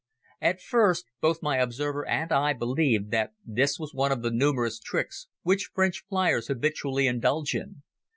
At first both my observer and I believed that this was one of the numerous tricks which French fliers habitually indulge in.